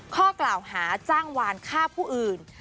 ข้อกล่าวหาจ้างวานฆ่าผู้อื่น